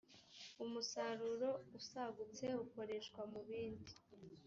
umusaruro usagutse ukoreshwa mu bindi